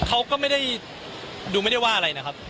เขาก็ไม่ได้ดูไม่ได้ว่าอะไรนะครับ